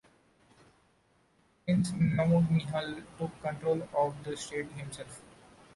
Prince Nau Nihal took control of the state himself.